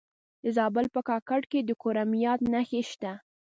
د زابل په کاکړ کې د کرومایټ نښې شته.